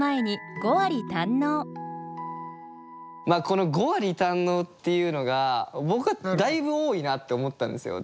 この「五割堪能」っていうのが僕はだいぶ多いなって思ったんですよ。